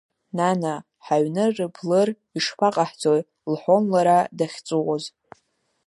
Нана, ҳаҩны рблыр ишԥаҟаҳҵои лҳәон лара дахьҵәуоз.